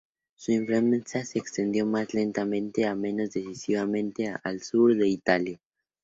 Su influencia se extendió más lentamente y menos decisivamente al sur de Italia.